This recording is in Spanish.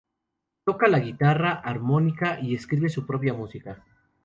Toca la guitarra, armónica, y escribe su propia música.